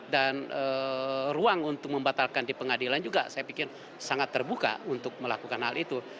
dan ruang untuk membatalkan di pengadilan juga saya pikir sangat terbuka untuk melakukan hal itu